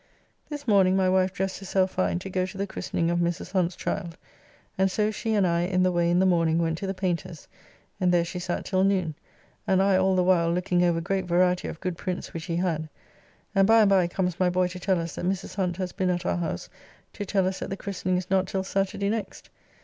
This morning my wife dressed herself fine to go to the christening of Mrs. Hunt's child, and so she and I in the way in the morning went to the Paynter s, and there she sat till noon, and I all the while looking over great variety of good prints which he had, and by and by comes my boy to tell us that Mrs. Hunt has been at our house to tell us that the christening is not till Saturday next.